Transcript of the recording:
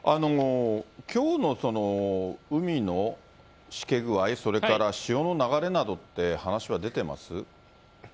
きょうの海のしけ具合、それから潮の流れなどって、話は出てます？